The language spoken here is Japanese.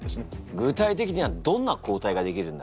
具体的にはどんな抗体ができるんだ？